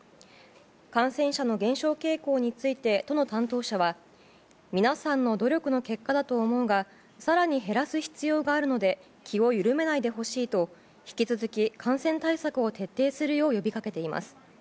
感染者の減少傾向について都の担当者は皆さんの努力の結果だと思うが更に減らす必要があるので気を緩めないでほしいと引き続き感染対策を徹底するよう呼びかけています。